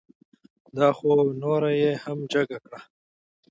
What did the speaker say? دا خو نوره یې هم جگه کړه.